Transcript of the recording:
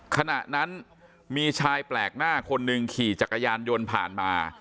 ขณะนั้นมีชายแปลกหน้าคนหนึ่งขี่จักรยานยนต์ผ่านมา